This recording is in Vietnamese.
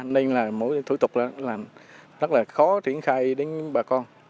nên là mỗi thủ tục rất là khó triển khai đến bà con